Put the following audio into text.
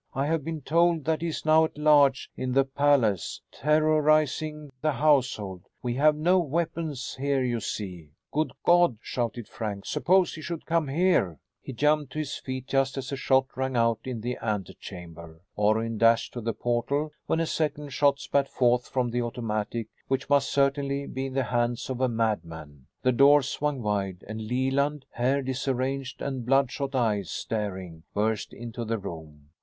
I have been told that he is now at large in the palace, terrorizing the household. We have no weapons here, you see." "Good God!" shouted Frank. "Suppose he should come here?" He jumped to his feet just as a shot rang out in the antechamber. Orrin dashed to the portal when a second shot spat forth from the automatic which must certainly be in the hands of a madman. The doors swung wide and Leland, hair disarranged and bloodshot eyes staring, burst into the room.